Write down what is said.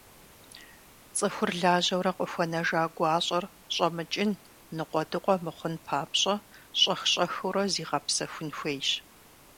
ЦӀыхур лажьэурэ къыхуэнэжа гуащӀэр щӀэмыкӀын, ныкъуэдыкъуэ мыхъун папщӀэ, щӏэх-щӏэхыурэ зигъэпсэхун хуейщ.